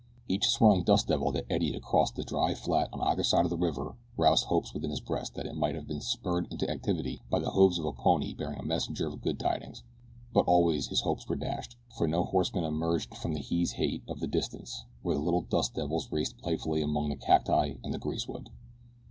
Each swirling dust devil that eddied across the dry flat on either side of the river roused hopes within his breast that it might have been spurred into activity by the hoofs of a pony bearing a messenger of good tidings; but always his hopes were dashed, for no horseman emerged from the heat haze of the distance where the little dust devils raced playfully among the cacti and the greasewood.